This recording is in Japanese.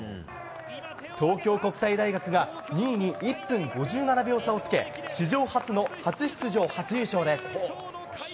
東京国際大学が２位に１分５７秒差をつけ史上初の初出場、初優勝です。